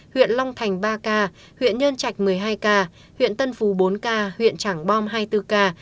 huyện long thành ba ca huyện nhân trạch một mươi hai ca huyện tân phú bốn ca huyện trảng bom hai mươi bốn ca